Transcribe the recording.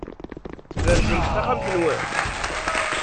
Tberzem-d taxxamt-nwen?